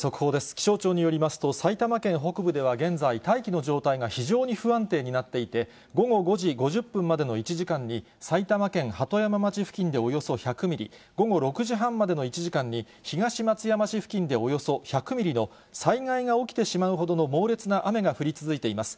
気象庁によりますと、埼玉県北部では現在、大気の状態が非常に不安定になっていて、午後５時５０分までの１時間に埼玉県鳩山町付近でおよそ１００ミリ、午後６時半までの１時間に、東松山市付近でおよそ１００ミリの、災害が起きてしまうほどの猛烈な雨が降り続いています。